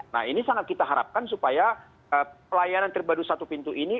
nah ini sangat kita harapkan supaya pelayanan terbaru satu pintu ini